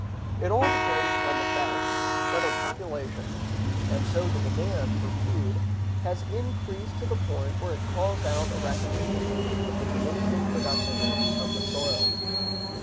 It all depends on the fact whether population—and so the demand for food—has increased to the point where it calls out a recognition of the diminishing productiveness of the soil.